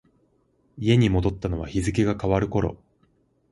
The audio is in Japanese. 家に戻ったのは日付が変わる頃。